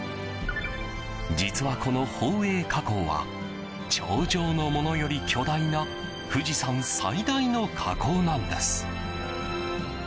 実は、この宝永火口は頂上のものより巨大な富士山最大の火口なんです。